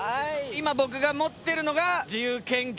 今僕が持ってるのが自由研究。